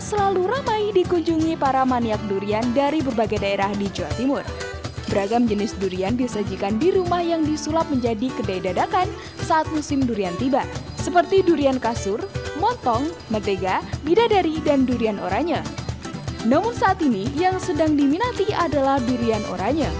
selain rasanya durian oranye diburu para penggebat durian karena harganya yang relatif murah